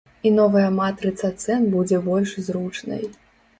І новая матрыца цэн будзе больш зручнай.